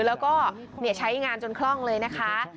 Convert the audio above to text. แล้วก็ใช้งานจนคล่องเลยนะคะ